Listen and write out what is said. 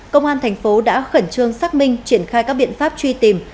công an thành phố đã khẩn trương xác minh triển khai các biện pháp truy tìm